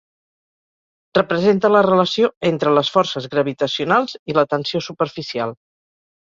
Representa la relació entre les forces gravitacionals i la tensió superficial.